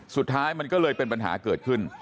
สุดท้ายมันก็เลยเป็นปัญหาเกิดขึ้น